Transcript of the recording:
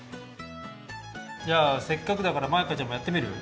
じゃあせっかくだからマイカちゃんもやってみる？